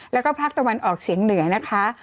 แล้วก็ภาคตะวันออกเฉียงเหนือนะคะ